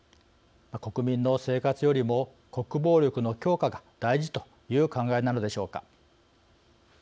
国民の生活よりも国防力の強化が大事という考えなのでしょうか。